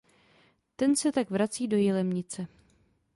Ten se tak vrací do Jilemnice.